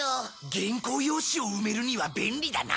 原稿用紙を埋めるには便利だな。